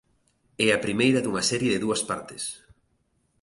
É a primeira dunha serie de dúas partes.